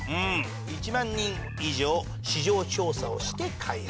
「１万人以上市場調査をして開発」。